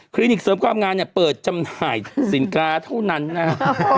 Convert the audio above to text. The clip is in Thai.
คลินิกเสริมความงามเปิดจำหน่ายสินค้าเท่านั้นน่ะ